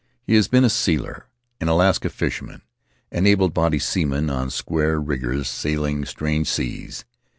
He has been a sealer, an Alaska fisherman, an able bodied seaman on square riggers sailing strange seas.